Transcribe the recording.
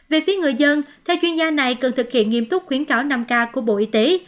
về phía người dân theo chuyên gia này cần thực hiện nghiêm túc khuyến cáo năm k của bộ y tế